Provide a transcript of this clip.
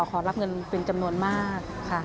ขอรับเงินเป็นจำนวนมากค่ะ